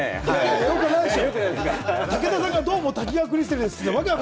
よくないでしょ。